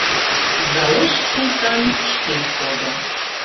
Залеш Султан шкет кодо.